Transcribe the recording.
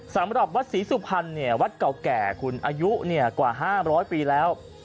สำหรับวัดศรีสุพรรณวัดเก่าแก่คุณอายุกว่า๕๐๐ปีแล้ว